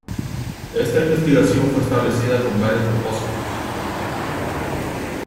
Esta investigación fue establecida con varios propósitos.